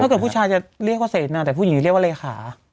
กับผู้ชายจะเรียกว่าเสนาแต่ผู้หญิงจะเรียกว่าเลขา